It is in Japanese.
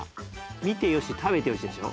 見て良し食べて良しでしょ？